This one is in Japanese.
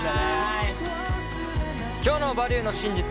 今日の「バリューの真実」